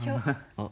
あっ！